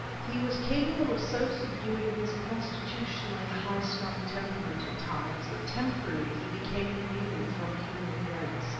He was capable of so subduing his constitutionally high strung temperament, at times, that temporarily he became immune from human dreads.